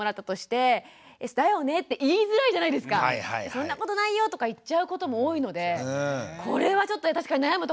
そんなことないよとか言っちゃうことも多いのでこれはちょっと確かに悩むとこですよね。